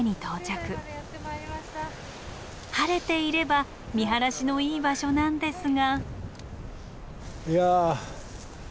晴れていれば見晴らしのいい場所なんですが。